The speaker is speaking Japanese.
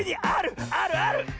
あるある！